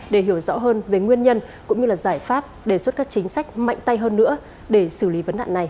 để hiểu rõ hơn về nguyên nhân cũng như giải pháp đề xuất các chính sách mạnh tay hơn nữa để xử lý vấn nạn này